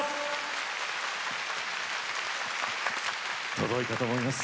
届いたと思います。